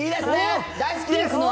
大好きです。